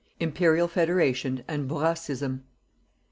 IMPERIAL FEDERATION AND "BOURASSISM".